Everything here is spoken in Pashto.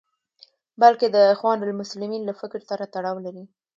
بلکې د اخوان المسلمین له فکر سره تړاو لري.